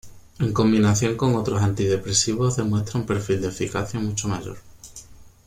En combinación con otros antidepresivos demuestra un perfil de eficacia mucho mayor.